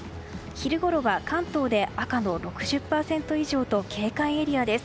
昼ごろは関東で赤の６０％以上と警戒エリアです。